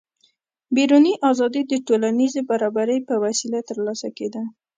بیروني ازادي د ټولنیز برابري په وسیله ترلاسه کېده.